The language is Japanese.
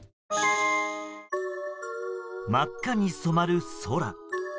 真っ赤に染まる空。